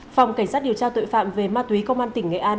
phòng cảnh sát điều tra tội phạm về ma túy công an tỉnh nghệ an